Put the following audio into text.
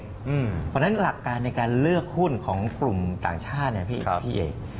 เพราะฉะนั้นหลักการในการเลือกหุ้นของฝุมต่างชาติพี่เอก